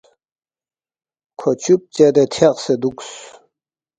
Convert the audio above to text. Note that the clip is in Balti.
کھو چُب چدے تھیاقسے دُوکس